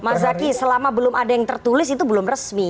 mas zaky selama belum ada yang tertulis itu belum resmi